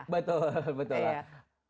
betul betul lah